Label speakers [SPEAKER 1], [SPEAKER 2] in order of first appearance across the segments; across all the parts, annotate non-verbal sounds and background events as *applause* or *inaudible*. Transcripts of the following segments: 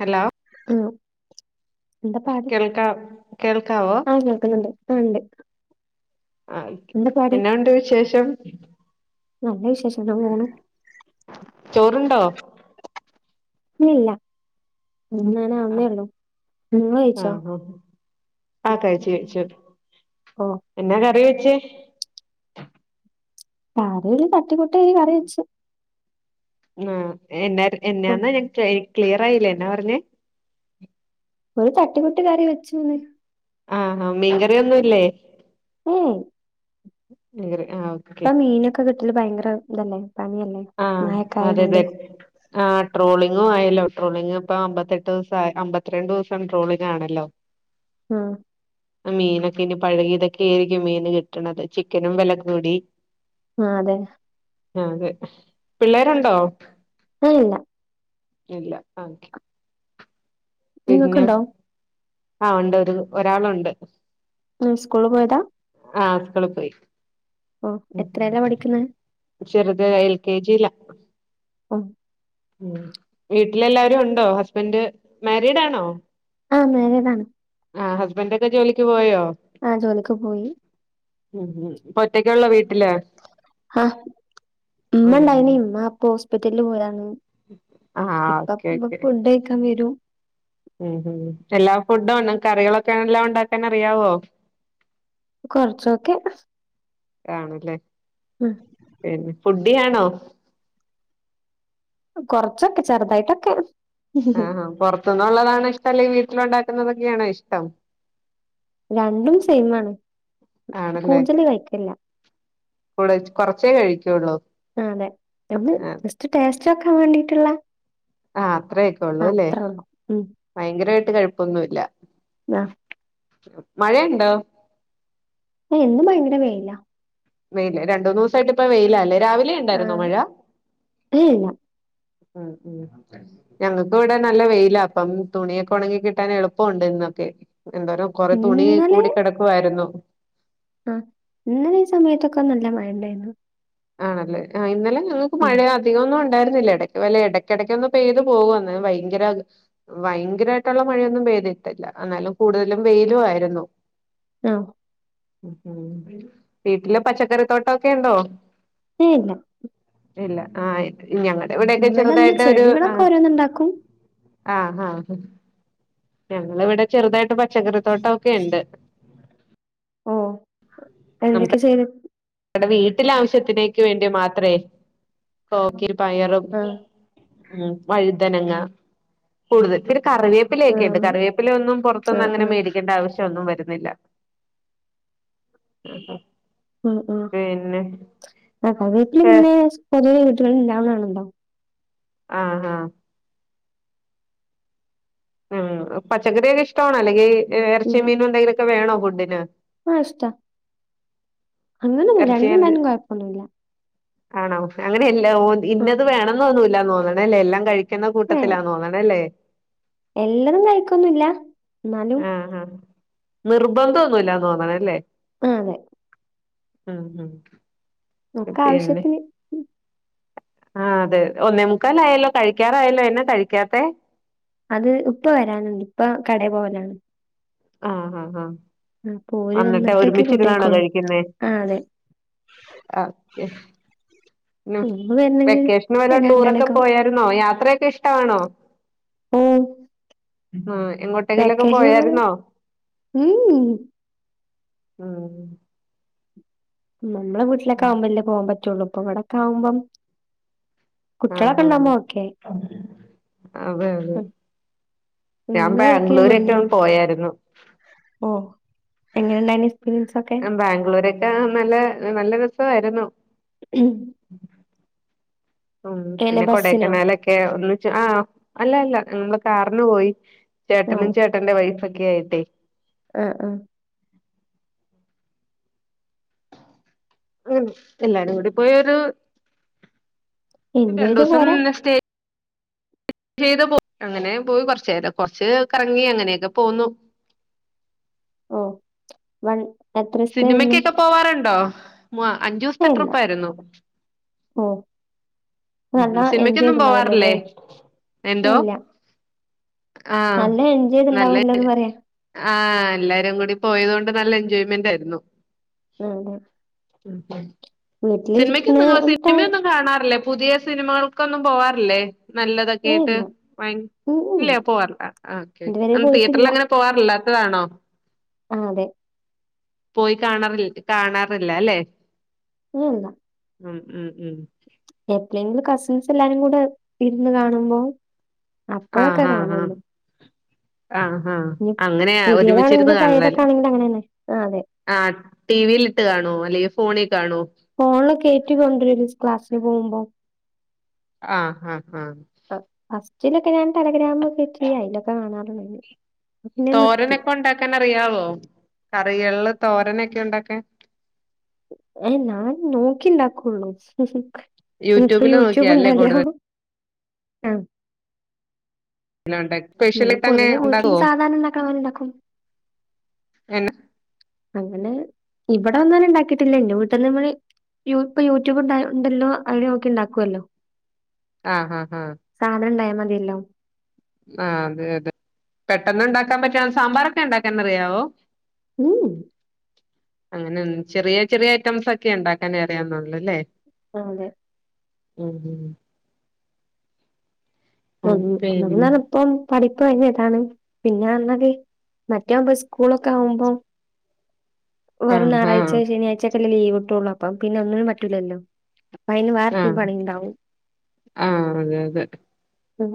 [SPEAKER 1] Hello
[SPEAKER 2] ലോ എന്താ പാട്
[SPEAKER 1] കേൾക്കാ കേൾക്കാവോ
[SPEAKER 2] ആഹ് കേൾക്ക്ന്നുണ്ട്‌ ആഹ് ഉണ്ട്
[SPEAKER 1] ആ ഓക്കേ
[SPEAKER 2] എന്താ പാട്
[SPEAKER 1] എന്നാ ഒണ്ട് വിശേഷം
[SPEAKER 2] നല്ല വിശേ ഷം ഇങ്ങനെ പോണു
[SPEAKER 1] ചോറുണ്ടോ
[SPEAKER 2] ഇല്ലില്ല തിന്നാനാവുന്നേ
[SPEAKER 1] ആഹ്
[SPEAKER 2] ഉള്ളൂ നിങ്ങള് കഴിച്ചോ
[SPEAKER 1] ആഹ് ആഹ് കഴിച്ചു കഴിച്ചു
[SPEAKER 2] ഓഹ്
[SPEAKER 1] എന്നാ കറി ച്ചേ
[SPEAKER 2] അത് തട്ടി കൂട്ടി ഒരു കറി വെച്ചു
[SPEAKER 1] ആഹ് എന്നാ
[SPEAKER 2] ഉം
[SPEAKER 1] എന്നാന്നാ ഞാൻ *unintelligible* ക്ലിയറായില്ല എന്നാ പറഞ്ഞെ
[SPEAKER 2] ഒരു തട്ടി കൂട്ട് കറി വെച്ചൂന്ന്
[SPEAKER 1] ആഹ് ഹാ മീൻ കറി ഒന്നുമില്ലേ
[SPEAKER 2] ഉം
[SPEAKER 1] മീൻ കറി
[SPEAKER 2] ഇപ്പം മീനൊക്കെ കി ട്ടല് ഭയങ്കര ഇതല്ലേ പനിയല്ലേ
[SPEAKER 1] ആഹ്
[SPEAKER 2] മഴയൊക്കെ
[SPEAKER 1] അതെ
[SPEAKER 2] ആയത്കൊണ്ട്
[SPEAKER 1] അതെ ആ ട്രോളിങ്ങും ആയല്ലോ ട്രോളിങ് ഇപ്പം അമ്പത്തിയെട്ട് ദിവസം അമ്പത്തിരണ്ട് ദിവസം ട്രോളിങ് ആണല്ലോ
[SPEAKER 2] ആ
[SPEAKER 1] മീനൊക്കെ ഇനി പഴകിയതൊക്കെ ആരിക്കും മീന് കിട്ടണത് ചിക്കനും വില കൂടി
[SPEAKER 2] ആഹ് അതെ
[SPEAKER 1] ആഹ് അതെ പിള്ളേരൊണ്ടോ
[SPEAKER 2] ആ ഇല്ല
[SPEAKER 1] ഇല്ല ഓക്കേ
[SPEAKER 2] നിങ്ങക്ക്ണ്ടോ
[SPEAKER 1] ആ ഒണ്ടൊരു ഒരാളൊണ്ട്
[SPEAKER 2] ഉം സ്‌കൂള് പോയത
[SPEAKER 1] ആ സ്‌കൂളി പോയ് ഉം
[SPEAKER 2] എത്രേലാ പഠിക്കുന്നെ
[SPEAKER 1] ചെറ്ത് എൽ കെ ജീ ല
[SPEAKER 2] ഉം
[SPEAKER 1] ഉം വീട്ടിലെല്ലാവരു ഒണ്ടോ. ഹസ്ബൻ്റ് മാരീഡ് ആണോ?
[SPEAKER 2] ആഹ് മാരീടാണ്.
[SPEAKER 1] ആഹ് ഹസ്‌ബൻ്റൊക്കെ ജോലിക്ക് പോയോ?
[SPEAKER 2] ആ ജോലിക്ക് പോയി.
[SPEAKER 1] ഉഹും ഇപ്പൊറ്റക്കെ ഒള്ളോ വീട്ടില്
[SPEAKER 2] ആഹ്
[SPEAKER 1] അഹ്.
[SPEAKER 2] പിറ്റലില് പോയാണ്. ഇപ്പ പ് ഫുഡ്‌ കഴിക്കാൻ വരും.
[SPEAKER 1] ഇഹിം എല്ലാ ഫുഡ്ഡും ഒൺ കറികളൊക്കെ എല്ലാം ഒണ്ടാക്കാനറിയാവോ?
[SPEAKER 2] കൊറച്ചൊക്കെ
[SPEAKER 1] ആണല്ലേ
[SPEAKER 2] ഉം
[SPEAKER 1] പിന്നെ ഫു ഡ്ഡിയാണോ?
[SPEAKER 2] കൊറച്ചൊക്കെ ചെറുതായ്ട്ടൊക്കെ.
[SPEAKER 1] ആഹാ പൊറത്തുന്നൊള്ളതാണോ ഇഷ്ട്ടം അല്ലെങ്കിൽ വീട്ടിലൊണ്ടാ ക്കുന്നതൊക്കെയാണോ ഇഷ്ട്ടം?
[SPEAKER 2] രണ്ടും സെയ്മാണ്.
[SPEAKER 1] ആണല്ലേ
[SPEAKER 2] കൂടുതല് കഴിക്കില്ല.
[SPEAKER 1] ക്കൊള്ളു.
[SPEAKER 2] ആ അതെ മ്മള് ജസ്റ്റ്‌ ടേസ്റ്റ്ഓകൻ വാണ്ടി ട്ട്ള്ള
[SPEAKER 1] അഹ് അത്രെക്കെ ഒള്ള് ഇല്ലേ
[SPEAKER 2] ഉം
[SPEAKER 1] ഫയങ്കരട്ട് കഴിപ്പൊനുല്ല
[SPEAKER 2] ആ
[SPEAKER 1] മഴ ഒണ്ടോ
[SPEAKER 2] ഇന്ന് ഭയങ്കര വെയില
[SPEAKER 1] വെയിൽ രണ്ടുന്നുസൈട്ടിപ്പോ വെയിലല്ലെ
[SPEAKER 2] ആ ഇല്ല
[SPEAKER 1] മ്മ് മ്മ് ഞങ്ങൾക്കുംവിടാ നല്ല വെയില അപ്പം തുണിക ഓണങ്ങികിട്ടാൻ എളുപ്പോണ്ട് ഇന്നൊക്കെ ന്തൊരു കൊറേതുണി കൂടി കെടക്കുവാരുന്നു
[SPEAKER 2] അഹ് ഇന്നലെ ഈ സമയത്തൊക്കെ നല്ല മഴണ്ടെരുന്നു
[SPEAKER 1] ആണല്ലേ അഹ് ഇന്നലെ *unintelligible* മഴ അതിക്കൊന്നൊ ണ്ടായിരുന്നില്ല എടക്ക് വല്ല എടയ്ക്കെടക്കൊന്നു പെയ്തു പോവും ന്ന് വയങ്കര വയങ്കരായിട്ടുള്ള മഴയൊന്നും പെയ്തിട്ടില്ല എന്നാലും കൂടുതലും വെയിലു ആയിരുന്നു
[SPEAKER 2] ആഹ്
[SPEAKER 1] വീട്ടില് പച്ചകറി തോട്ടോക്കെ ഒണ്ടോ
[SPEAKER 2] ഏ ഇല്ല
[SPEAKER 1] ഇല്ല ആയ *unintelligible*
[SPEAKER 2] ഇവടെന്താ ചെടികളക്കെ ഓരോന്നൊണ്ടാക്കും
[SPEAKER 1] ആഹ് അഹ് ഹ് ഞങ്ങളിവിടെ ചെറുതായിട്ട് പ പച്ചക്കറി തോട്ടോ ഒക്കെ ഇണ്ട്
[SPEAKER 2] ഓ എന്തക്കേ ചെയ്തു
[SPEAKER 1] വീട്ടില് ആവിശ്യത്തിനേക്ക് വേണ്ടി മാത്രേ കൊക്കിരും പയറും
[SPEAKER 2] ആ
[SPEAKER 1] ഉം വഴുതനങ്ങ *unintelligible* കറിവേപ്പില
[SPEAKER 2] ആ
[SPEAKER 1] ഒക്കെ ഇണ്ട് കറിവേപ്പില ഒന്നും പുറത്ത്
[SPEAKER 2] ആ
[SPEAKER 1] നിന്ന് അങ്ങനെ
[SPEAKER 2] ആ
[SPEAKER 1] മേടിക്കണ്ട ആവിശ്യ എതിക്ക് ഒന്നും വരുന്നില്ല ആ
[SPEAKER 2] മ് ആ തക്കാളിയൊക്കെ ഇല്ലേ പൊതുവെ *unintelligible* ഇല്ലന്നാണല്ലോ
[SPEAKER 1] ആ ഉം പച്ചക്കറിയെല്ലാം ഇഷ്ടവാണോ അല്ലെങ്കിൽ എറച്ചി മീനും എന്തെലൊക്കെ വേണോ ഫുഡിന്
[SPEAKER 2] അഹ് ഇഷ്ടാ അങ്ങനെ ഒന്നുല്ല്യ രണ്ട് ഉണ്ടായാലും കെഴപ്പം ഒന്നുല്ല്യ
[SPEAKER 1] ആ നമുക്ക് അങ്ങനെ എ ഇല്ലാ ഓന്തി ഇന്നത് വേണന്നൊന്നുമില്ല ഇല്ല തോന്ന്ണല്ലേ എല്ലാം കഴി ക്ക്‌ണ
[SPEAKER 2] ഏ
[SPEAKER 1] കൂട്ടത്തിലാ തോന്ന്ണല്ലേ
[SPEAKER 2] എല്ലതും കഴിക്കൊന്നുല്ല എന്നാലും
[SPEAKER 1] നിർബന്ധയൊന്നുമില്ല തോന്ന്ണ് അല്ലേ
[SPEAKER 2] അതെ
[SPEAKER 1] മ് മ്
[SPEAKER 2] ഒക്ക ആവിശ്യത്തിന്
[SPEAKER 1] ആ അതെ അതെ ഒന്നേ മുക്കാല് ആയല്ലോ കഴികാറായല്ലോ എന്ന കഴികാത്തെ
[SPEAKER 2] അത് ഉപ്പ വരാനുണ്ട് ഉപ്പ കടേ പോവലാണ്
[SPEAKER 1] ആ ഹ ഹ
[SPEAKER 2] ആ, അപ്പൊ ഓര്
[SPEAKER 1] വന്നിട്ട്
[SPEAKER 2] വന്നിട്ടൊക്കെ
[SPEAKER 1] ഒരുമിച്ച് ഇരുന്നാണോ
[SPEAKER 2] ഫുഡായിക്കോളും
[SPEAKER 1] കഴിക്കിന്നേ
[SPEAKER 2] ആ അതെ
[SPEAKER 1] ആ കേ ഇന്ന
[SPEAKER 2] ഉമ്മ വരണെങ്കിൽ
[SPEAKER 1] വെക്കേഷന് വല്ല ടൂർ ഒക്കെ
[SPEAKER 2] രണ്ടെണ്ണൊക്കെ
[SPEAKER 1] പോയാരുന്നോ യാത്രയൊക്ക ഇഷ്ടവാണോ *unintelligible*
[SPEAKER 2] പാക്കേജ് ഉവറെ
[SPEAKER 1] പോയാരുന്നോ
[SPEAKER 2] ഊ
[SPEAKER 1] ആ
[SPEAKER 2] നമ്മടെ വീട്ടിലൊക്കാവുംമ്പല്ലേ പോവാൻ പറ്റൂള്ളൂ അവിടൊക്കാവുമ്പം
[SPEAKER 1] ആഹ് ആഹ് ആഹ് അതെ അതെ
[SPEAKER 2] ഉം
[SPEAKER 1] ഞാൻ
[SPEAKER 2] നിങ്ങള് എവിടേക്കേലും പോയിനോ
[SPEAKER 1] ബാംഗ്ലൂരൊക്കെന്ന് പോയാരുന്നു
[SPEAKER 2] എങ്ങനെണ്ടായിനു
[SPEAKER 1] ഞാൻ ബാംഗ്ലൂരേ അഹ് നല്ല നല്ലരസവായിരുന്നു
[SPEAKER 2] ഉം
[SPEAKER 1] പിന്നെ കോടേക്കനാലൊക്കെ ഒന്ന് ചാ ആഹ് അല്ലല്ല നമ്മളെ കാറിനു പോയി ചേട്ടനും ചേട്ടന്റെ വൈഫും ട്ടേ
[SPEAKER 2] ആഹ് ആഹ്
[SPEAKER 1] എല്ലാരും കൂടി പോയൊരു
[SPEAKER 2] എൻജോയ് ചെയ്ത്
[SPEAKER 1] രണ്ടുസം
[SPEAKER 2] പോരാ
[SPEAKER 1] നിന്ന് സ്റ്റേ ഏതു പോ അങ്ങനേം പോയി കുറച്ചുനേരം കുറച്ച് കറങ്ങി അങ്ങനെയൊക്കെ പോന്നു
[SPEAKER 2] ഓഹ് വൺ എത്ര ദിവസത്തെ നിന്നു
[SPEAKER 1] സിനിമയ്‌ക്കൊക്കെ പോവാറുണ്ടോ മ അഞ്ചുസ്ത്ത
[SPEAKER 2] ഏ ഇല്ല
[SPEAKER 1] ട്രിപ്പാരുന്നു
[SPEAKER 2] ഓ നല്ല എൻജോയ്
[SPEAKER 1] സിനിമയ്ക്കൊന്നും പോവാറില്ലേ
[SPEAKER 2] ചെയ്തിണ്ടാവല്ലോല്ലേ
[SPEAKER 1] എന്തോ
[SPEAKER 2] ഏ ഇല്ല
[SPEAKER 1] ആ
[SPEAKER 2] നല്ല എൻജോയ്
[SPEAKER 1] നല്ലത്
[SPEAKER 2] ചെയ്തിണ്ടാവല്ലോന്ന് പറയാ
[SPEAKER 1] ആഹ് എല്ലാരും കൂടി പോയതുകൊണ്ട് നല്ലെൻജോയ്മെന്റായ്രുന്നു
[SPEAKER 2] ആഹ് അതെ
[SPEAKER 1] *unintelligible*
[SPEAKER 2] വീട്ടിലിരിക്കുന്ന
[SPEAKER 1] സിനിമയ്‌ക്കൊന്നും ഇങ്
[SPEAKER 2] ട്ടാ
[SPEAKER 1] സിനിമയൊന്നും കാണാറില്ലെ? പുതിയ സിനിമകൾക്കൊന്നും പോകാറില്ലേ? നല്ലതൊക്കെ
[SPEAKER 2] ഏ
[SPEAKER 1] ഇട്ട്.
[SPEAKER 2] ഇല്ല
[SPEAKER 1] *unintelligible*
[SPEAKER 2] ഉം ഉം
[SPEAKER 1] ഇല്ലേ പോവാറില്ലാ ആഹ് ഓക്കെയോക്കെ
[SPEAKER 2] ഇതുവരെ
[SPEAKER 1] *unintelligible* തീയറ്ററിലങ്ങനെ പോവാറില്ലാ ത്തതാണോ
[SPEAKER 2] ആഹ് അതെ
[SPEAKER 1] പോയി കാണാറിൽ കാണാറില്ല അല്ലേ.
[SPEAKER 2] *unintelligible*
[SPEAKER 1] ഉം ഉം ഉം
[SPEAKER 2] എപ്ളെങ്കിലും കസിൻസ് എല്ലാരും കൂടെ ഇരുന്നു കാണുമ്പോ അപ്പൊഴൊക്കെ
[SPEAKER 1] ആഹ് ആഹ് ആഹ്
[SPEAKER 2] കാണൊള്ളു.
[SPEAKER 1] ആഹ് ഹാ അങ്ങനെയാ ഒരുമിച്ചിരുന്നു കാണലാലേ
[SPEAKER 2] പഴയതൊക്കെ ആണെങ്കിലും അങ്ങനെ തന്നെ ആ അതെ
[SPEAKER 1] ആഹ് ടി വി ലിട്ട് കാണോ അല്ലെങ്കി ഫോണി
[SPEAKER 2] ഫോൺ ലൊക്കെ ഏറ്റികൊണ്ടരും ക്ലാസ്സിന് പോകുമ്പം
[SPEAKER 1] ആഹ് ആ ആഹ്
[SPEAKER 2] തിനൊക്കെ ഞാൻ ടെലിഗ്രാം റ്റി അയ്ലൊക്കെ കാണാ ടൊമേന്
[SPEAKER 1] തോരനൊക്കെ ഉണ്ടാക്കാൻ അറിയാവോ അറിയോ എള്ള് തോരനൊക്കെ ഉണ്ടാക്കാൻ
[SPEAKER 2] എ ഞാൻ നോക്കി ണ്ടാക്കൊള്ളു പ്പ
[SPEAKER 1] യൂട്യൂബില്
[SPEAKER 2] യൂട്യൂബ്
[SPEAKER 1] നോക്കിയാല്ലേ
[SPEAKER 2] ണ്ടല്ലോ
[SPEAKER 1] കൂടുതലും
[SPEAKER 2] ആഹ്
[SPEAKER 1] ന ണ്ടക് പെഷ്യലി തന്നെ ഉണ്ടവൊ
[SPEAKER 2] സാധാരണ ഉണ്ടാക്കണ പോലെ ഉണ്ടാക്കും
[SPEAKER 1] എന
[SPEAKER 2] അങ്ങനെ ഇവടെങ്ങനെ ഇണ്ടാക്കിട്ടില്ല ഇഞ് വീട്ട്ന്ന് മ്മള് യു ഇപ്പ യൂറ്റുബ്ണ്ടല്ലോ അയില് നോക്കി ണ്ടാക്കാല്ലോ
[SPEAKER 1] ആഹ് ആഹ് ആഹ്
[SPEAKER 2] മതിയല്ലോ
[SPEAKER 1] ആഹ അതെ അതെ പെട്ടന്ന് ണ്ടാക്കാൻ അറിയാവുന്ന സാമ്പാറൊക്കെ ഇണ്ടാക്കാൻ അറിയാവോ
[SPEAKER 2] ഉം
[SPEAKER 1] അങ്ങനെ ചെറിയ ചെറിയ ഐറ്റംസൊക്കെ ഇണ്ടാക്കാൻ അറിയാവുന്നുള്ളു ലെ
[SPEAKER 2] ആഹ് അതെ
[SPEAKER 1] ഉം ഉം
[SPEAKER 2] ഉം ഒന്നാമത് ഇപ്പം പഠിപ്പ് കഴിഞ്ഞിട്ടാണ് പിന്നെ പറഞ്ഞാല് മറ്റാവുമ്പോ സ്കൂളൊക്കെ ആവുമ്പോ വെറും
[SPEAKER 1] ആഹ് ആഹ്
[SPEAKER 2] ഞാറാഴ്ച ശനിയാഴ്ചൊക്കെ ലീവ്ട്ടൊള്ളു അപ്പൊ പിന്നെ ഒന്നിനും പറ്റൂലല്ലോ പ്പയ്ന് വേറെത്തെ
[SPEAKER 1] ആഹ്
[SPEAKER 2] പണിണ്ടാകും
[SPEAKER 1] ആഹ് അതെ അതെ
[SPEAKER 2] ഉം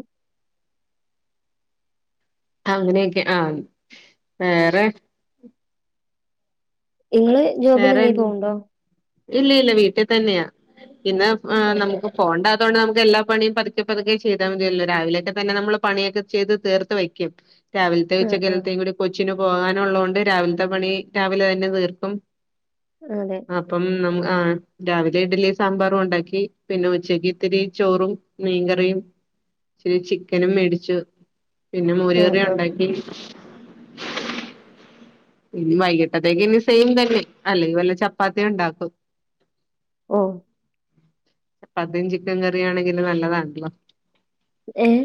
[SPEAKER 1] അങ്ങനെയൊക്കെ ആ വേറെ
[SPEAKER 2] ഇങ്ങള് ജോബിനെന്തേ പോക്ണ്ടോ
[SPEAKER 1] ഇല്ലില്ല വീട്ടിതന്ന്യാ ഇന്ന്
[SPEAKER 2] ഓഹ്
[SPEAKER 1] നമുക്ക് പോണ്ടാ തോണ്ടാ നമുക്ക് എല്ലാ പണിം പതുക്കെ പതുക്കെ ചെയ്താ മതിയല്ലോ രാവിലെക്കെ തന്നെ നമ്മള് പണിയൊക്കെ ചെയ്ത് തീർത് വെക്കും രാവിലത്തെ
[SPEAKER 2] ആഹ് ആഹ്
[SPEAKER 1] ഉച്ചക്കൽത്തെയും കുടി കൊച്ചിനൊ പോവാനുള്ളോണ്ട് രാവിൽതെ പണി രാവിലെന്നെ തീർക്കും
[SPEAKER 2] അതെ
[SPEAKER 1] അപ്പം ആ രാവിലെ ഇഡലിയും സാമ്പാറും ഉണ്ടാക്കി പിന്നെ ഉച്ചക് ഇത്തിരി ചോറും മീൻകറിയും ഇച്ചിരി ചിക്കനും മേടിച്ചു പിന്നെ മോര്
[SPEAKER 2] ആഹ്
[SPEAKER 1] കറി
[SPEAKER 2] ആഹ്
[SPEAKER 1] ഉണ്ടാക്കി പിന്നെ വൈകിട്ടത്തെക്ക് ഇനി സെയിം തന്നെ അല്ലെ വല്ല ചപ്പാത്തിയും ഉണ്ടാക്കും
[SPEAKER 2] ഓ
[SPEAKER 1] ചപ്പാത്തിയും ചിക്കൻ കറിയും ആണെങ്കിൽ പിന്നെ നല്ലതാണല്ലോ
[SPEAKER 2] ഏഹ്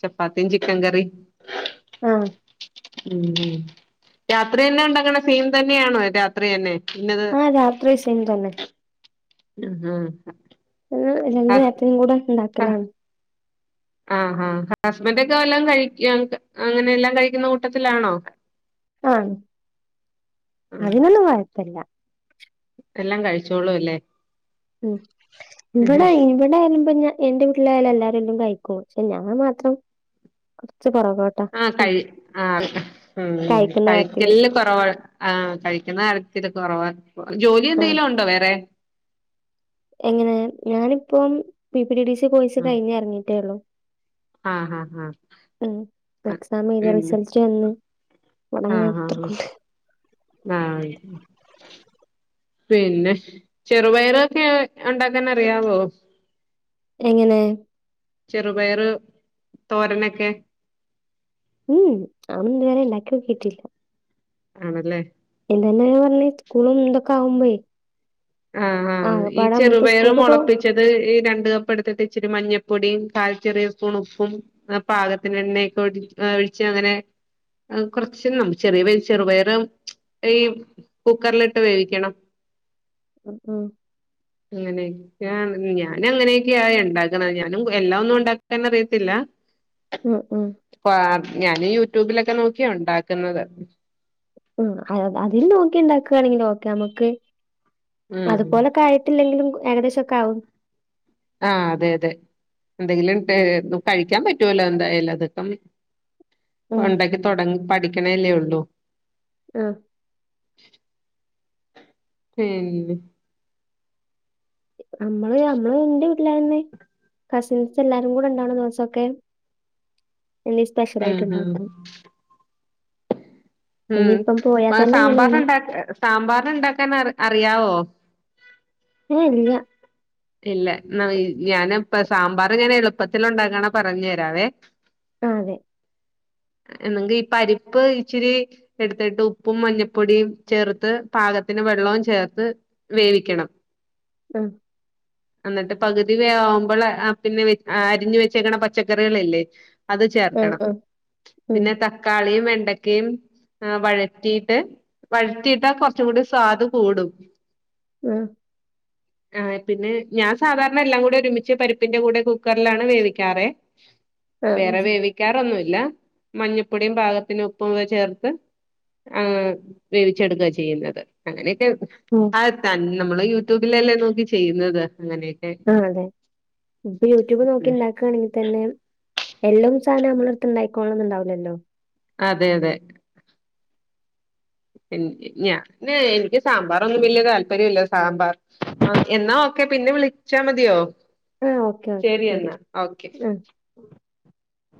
[SPEAKER 1] ചപ്പാത്തിയും ചിക്കൻ കറി
[SPEAKER 2] ആ
[SPEAKER 1] ഊം രാത്രി എന്താ ഉണ്ടാക്ണ സെയിം തന്നെ ആണോ രാത്രി തന്നെ ഇന്നത്
[SPEAKER 2] ആ രാത്രി സെയിം തന്നെ
[SPEAKER 1] ആ ഹാ
[SPEAKER 2] എന്നും രണ്ട് നേരത്ത്നും കൂടെ ഉണ്ടാക്കലാണ്
[SPEAKER 1] ആ ഹാ ഹസ്ബൻ്റ് ഒക്കെ വല്ലോം കഴി അങ്ങനെ എല്ലാം കഴിക്കുന്ന കൂട്ടത്തിലാണോ
[SPEAKER 2] ആ
[SPEAKER 1] ആ
[SPEAKER 2] അതിനൊന്നും കൊയ പ്പല്ലാ
[SPEAKER 1] എല്ലാം കഴിച്ചോളും അല്ലേ
[SPEAKER 2] ഉം ഇവിടെ
[SPEAKER 1] പിന്നെ
[SPEAKER 2] ഇവിടാരും പിന്നെ എൻ്റെ വീട്ടിലായാലും എല്ലാരും എന്തും കഴിക്കും ക്ഷെ ഞാൻ മാത്രം കൊർ
[SPEAKER 1] ആ കഴി ആ ഉം
[SPEAKER 2] കഴിക്കുന്ന കാര്യത്തില്
[SPEAKER 1] കഴിക്കല്ല് കുറവാ ആ കഴിക്കുന്ന കാര്യ ത്തില് കുറവാ ജോലി
[SPEAKER 2] ആഹ്
[SPEAKER 1] എന്തെങ്കിലും ഉണ്ടോ വേറെ
[SPEAKER 2] എങ്ങനെ ഞാനിപ്പം പിപ് P T T C course കഴിഞ്ഞ് ഇറങ്ങീട്ടെ ഉള്ളൂ
[SPEAKER 1] ആഹ് ആഹ് ആഹ്
[SPEAKER 2] ഉം എക്സാം എഴുതി റിസൽറ്റ് വന്ന്
[SPEAKER 1] ആ ഹാ ഹ ആ പിന്നെ ചെറുപയറ് ഒക്കെ ഉണ്ടാക്കാൻ അറിയാവോ
[SPEAKER 2] എങ്ങനെ
[SPEAKER 1] ചെറുപയറ് തോരനൊക്കെ
[SPEAKER 2] ഉം അതൊന്നും ഇതുവരെ ഇണ്ടാക്കി നോക്കിയിട്ടില്ല
[SPEAKER 1] ആണല്ലേ
[SPEAKER 2] ഇതന്നല്ലെ പറഞ്ഞെ സ്‌കൂളും ഇതൊക്കെ ആവുമ്പഴേ
[SPEAKER 1] ആ ഹാ ഈ
[SPEAKER 2] ആകപ്പാടെ നമ്മളിപ്പോ
[SPEAKER 1] ചെറുപയർ
[SPEAKER 2] സ്കൂൾക്ക് പോ
[SPEAKER 1] മുളപ്പിച്ചത് ഈ രണ്ട് കപ്പ് എടുത്തിട്ട് ഇച്ചിരി മഞ്ഞ പൊടിയും കാൽ ചെറിയ സ്പൂൺ ഉപ്പും പാകത്തിന് എണ്ണക്കെ ഒഴിച്ച് അങ്ങനെ കൊർച് ചെറുപയർ ഈ കുക്കർ ലിട്ട് വേവിക്കണം.
[SPEAKER 2] ഉം
[SPEAKER 1] ഇങ്ങനെ ഞാനങ്ങനൊക്കെയാ ആ ഇണ്ടാക്കണേ ഞാനും എല്ലാം ഒന്നും ഉണ്ടാക്കാൻ അറിയില്ല
[SPEAKER 2] ഉം ഉം
[SPEAKER 1] ഞാനീ യൂട്യുബിലൊക്കെ നോക്കിയാ ഉണ്ടാക്കുന്നത്
[SPEAKER 2] മ് അതിൽ നോക്കി ഉണ്ടാക്കാണെങ്കിൽ ഓക്കേ നമ്മക്ക്
[SPEAKER 1] ഉം
[SPEAKER 2] അതുപോലെക്കെ ആയിട്ടില്ലെങ്കിലും ഏകദേശ *unintelligible*
[SPEAKER 1] ആ അതെ അതെ എന്തെങ്കിലും ടെ കഴിക്കാൻ പറ്റുവല്ലോ എന്തായാലും അത്
[SPEAKER 2] ഉം
[SPEAKER 1] ഒണ്ടാക്കി തൊടങ്ങ് പഠി *unintelligible*
[SPEAKER 2] ആ
[SPEAKER 1] *unintelligible*
[SPEAKER 2] അമ്മള് അമ്മള് ഇന്റെ വീട്ടിലായെന്ന് കസിൻസ് എല്ലാരും കൂടെ ഉണ്ടാവുന്ന ദിവസക്കെ എന്തെങ്കിലും
[SPEAKER 1] ഉം
[SPEAKER 2] സ്പെഷ്യലായിട്ട് ഉണ്ടാക്കും
[SPEAKER 1] മ്
[SPEAKER 2] തന്നെ എങ്ങനെയാണ്
[SPEAKER 1] സാമ്പാർന് ണ്ടാക്കാ സാമ്പാർന് ണ്ടാക്കാനറി യാവോ
[SPEAKER 2] ഏ ഇല്ല
[SPEAKER 1] ഇല്ല. ഞാനപ്പ സാമ്പാറ് ഞാൻ എളുപ്പത്തി ഉണ്ടാക്കണ പറഞ്ഞു തരാവേ.
[SPEAKER 2] ആ അതെ.
[SPEAKER 1] എന്നെങ്കി ഈ പരിപ്പ് ഇച്ചിരി എട്ത്തിട്ട് ഉപ്പും മഞ്ഞപ്പൊടിം ചേർത്ത് പാകത്തിന്റെ വെള്ളോം ചേർത്ത് വേവിക്കണം.
[SPEAKER 2] ആ
[SPEAKER 1] അന്നിട്ട് പക്‌തി വേവാവുമ്പള അ പിൻ വെ ആഹ് അരിഞ്ഞു വെച്ചേക്ക്ണ പച്ചക്കറികളില്ലെ അത്
[SPEAKER 2] ആഹ്
[SPEAKER 1] ചേർക്കണം
[SPEAKER 2] ആഹ് ഉം
[SPEAKER 1] പിന്നെ തക്കാളിയും വെ വെക്കേം ആ വഴറ്റീട്ട് വഴറ്റീട്ടാ കൊറച്ചു കൂടി സാദ് കൂടും.
[SPEAKER 2] ആഹ്
[SPEAKER 1] ആ *unintelligible* പിന്നെ ഞാൻ സാധാര്ണ എല്ലാം കൂടി ഒരുമിച്ച് പരിപ്പിന്റെ കൂടെ കുക്കർലാണ് വേവിക്കാറെ വേറെ
[SPEAKER 2] ആഹ്
[SPEAKER 1] വേവിക്കാറൊന്ന് ല്ല മഞ്ഞപ്പൊടിയും പാകത്തിന് ഉപ്പും ക്കെ ചേർത്ത് ആ... വേവിച്ചെട്ക്ക ചെയ്യുന്നത് അങ്ങനെ *unintelligible*
[SPEAKER 2] ഉം
[SPEAKER 1] ആ തൻ നമ്മള് യൂട്യൂബിലല്ലെ നോക്കി ചെയ്യുന്നത് അങ്ങനെയൊക്കെ
[SPEAKER 2] ആഹ അതെ ഇപ്പൊ യൂട്യൂബ് നോക്കി ണ്ടാക്കയാണെങ്കി തെന്നെ എല്ലും സാധ മ്മളെട്ത്ത് ണ്ടായിക്കോൾള്ളംന്ന്ണ്ടാവ് ലല്ലോ.?
[SPEAKER 1] അതെ അതെ. എൻ ഞാ ന്ന് എനിക്ക് സാമ്പാറൊന്നും വല്യ താല്പര്യല്ല്യ സാമ്പാർ ആ എന്നാ ഓക്കെ പിന്നെ വിളിച്ചാ മതിയോ?
[SPEAKER 2] ആഹ ഓക്കെ ഓക്കെ
[SPEAKER 1] ശരി
[SPEAKER 2] ശെരി
[SPEAKER 1] എന്നാ ഓക്കെ
[SPEAKER 2] ആ.
[SPEAKER 1] *unintelligible*